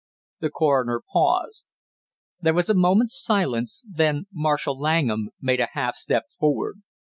The coroner paused. There was a moment's silence, then Marshall Langham made a half step forward.